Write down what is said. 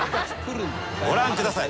ご覧ください。